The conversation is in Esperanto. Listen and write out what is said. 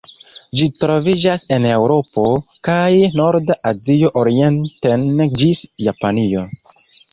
Ĝi troviĝas en Eŭropo kaj norda Azio orienten ĝis Japanio.